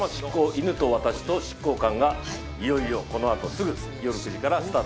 犬と私と執行官』がいよいよこのあとすぐよる９時からスタートします。